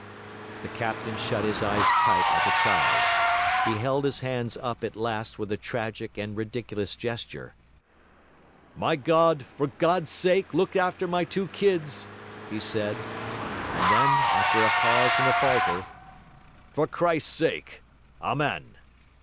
The captain shut his eyes tight like a child: he held his hands up at last with a tragic and ridiculous gesture. 'My God, for Christ's sake, look after my two kids,' he said; and then, after a pause and a falter, 'for Christ's sake, Amen.'